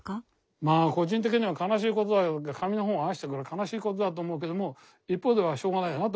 まぁ個人的には悲しいことだけど紙の本を愛しているから悲しいことだと思うけども一方ではしょうがないなとは思うよ。